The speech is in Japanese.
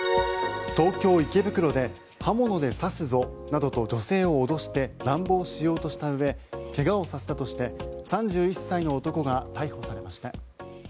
東京・池袋で刃物で刺すぞなどと女性を脅して乱暴しようとしたうえ怪我をさせたとして３１歳の男が逮捕されました。